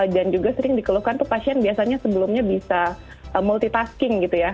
dan juga sering dikeluhkan tuh pasien biasanya sebelumnya bisa multitasking gitu ya